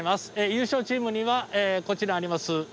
優勝チームにはこちらあります